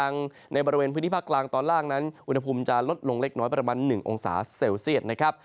ในบริเวณพื้นที่ภาคกลางตอนล่างนั้นอุณหภูมิจะลดลงเล็กน้อยประมาณ๑องศาเซลเซียตนะครับ